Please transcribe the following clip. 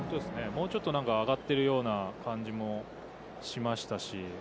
もうちょっと上がってるような感じもしました。